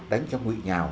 đánh cho nguyễn nhào